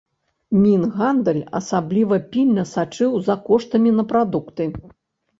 Мінгандаль асабліва пільна сачыў за коштамі на прадукты.